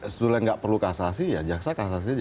sebenarnya gak perlu kasasi ya jaksa kasasi aja